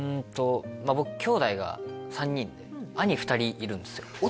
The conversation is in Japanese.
僕兄弟が３人で兄２人いるんですよ